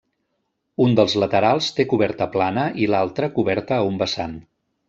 Un dels laterals té coberta plana i l'altra coberta a un vessant.